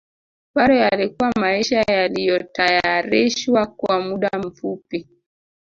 Bado yalikuwa maisha yaliyotayarishwa kwa muda mfupi